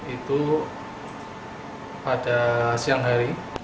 itu pada siang hari